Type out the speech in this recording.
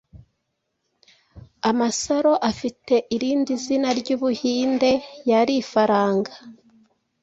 amasaro afite iri zina ryu Buhinde yari ifaranga